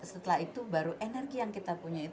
setelah itu baru energi yang kita ambil